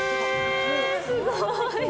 すごい。